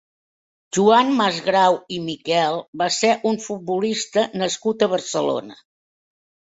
Joan Masgrau i Miquel va ser un futbolista nascut a Barcelona.